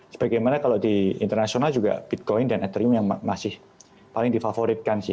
sebagai mana kalau di internasional juga bitcoin dan ethereum yang masih paling difavoritkan